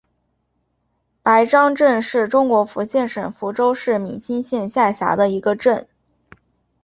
白樟镇是中国福建省福州市闽清县下辖的一个镇。